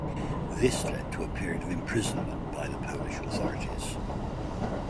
This led to a period of imprisonment by the Polish authorities.